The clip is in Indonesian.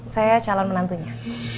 saya calon menantunya